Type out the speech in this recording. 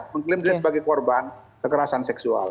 mengklaim dia sebagai korban kekerasan seksual